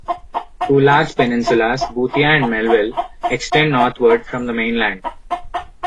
Two large peninsulas, Boothia and Melville, extend northward from the mainland.